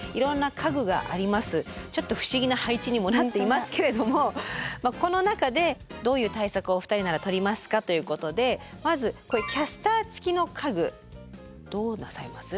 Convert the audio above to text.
ちょっと不思議な配置にもなっていますけれどもこの中でどういう対策をお二人ならとりますかということでまずこういうキャスター付きの家具どうなさいます？